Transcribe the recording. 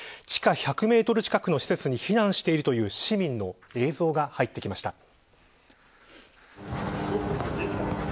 地下１００メートル近くの施設に避難しているという市民の映像が入ってきました。